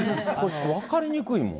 分かりにくいもん。